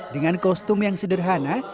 dengan kostum yang sederhana